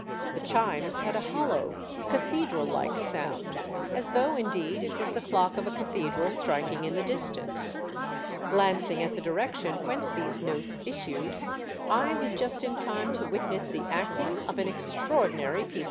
The chimes had a hollow, cathedral like sound, as though indeed it was the clock of a cathedral striking in the distance. Glancing at the direction whence these notes issued, I was just in time to witness the acting of an extraordinary piece 96 THE DEATH SHIP.